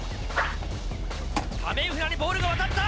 タメイフナにボールが渡った！